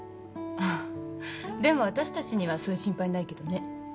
でも私たちにはそういう心配ないけどね。